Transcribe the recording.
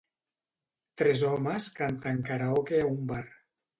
Tres homes canten karaoke a un bar.